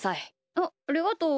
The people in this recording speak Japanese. あっありがとう。